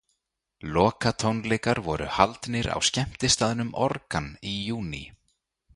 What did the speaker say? Lokatónleikar voru haldnir á skemmtistaðnum Organ í júní.